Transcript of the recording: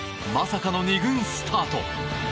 まさかの２軍スタート。